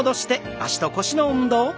脚と腰の運動です。